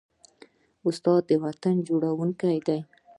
استاد د وطن جوړوونکی دی.